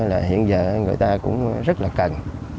là hiện giờ người ta cũng rất là cần